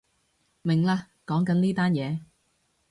明喇，講緊呢單嘢